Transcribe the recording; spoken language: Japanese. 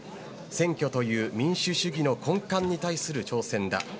選挙という民主主義の根幹に対する挑戦だ。